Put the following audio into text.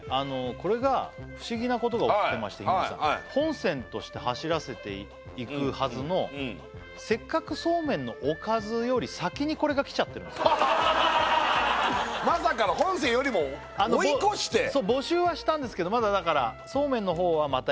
これが不思議なことが起きてまして本線として走らせていくはずの「せっかくそうめんのおかず」より先にこれがきちゃってるんですまさかの本線よりも追い越してそう募集はしたんですけどまだだからやるけどね